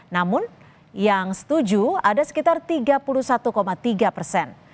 namun yang setuju ada sekitar tiga puluh satu tiga persen